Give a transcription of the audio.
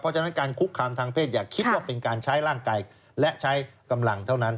ฉะนั้นการคุกคามทางเพศอย่าคิดว่าเป็นการใช้ร่างกายและใช้กำลังเท่านั้น